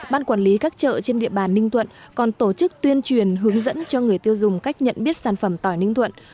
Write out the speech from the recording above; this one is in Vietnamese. ban quản lý các chợ trên địa bàn ninh thuận còn tổ chức tuyên truyền hướng dẫn cho người tiêu dùng cách nhận biết sản phẩm tỏi ninh thuận